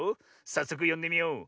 さっそくよんでみよう。